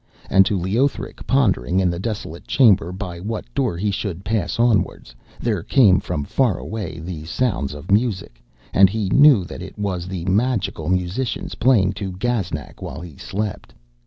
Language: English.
And to Leothric, pondering in the desolate chamber by what door he should pass onwards, there came from far away the sounds of music, and he knew that it was the magical musicians playing to Gaznak while he slept.